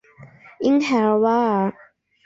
伊凯尔瓦尔。